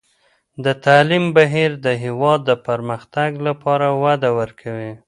د تعلیم بهیر د هېواد د پرمختګ لپاره وده ورکوي.